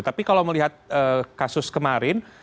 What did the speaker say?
tapi kalau melihat kasus kemarin